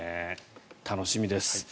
楽しみです。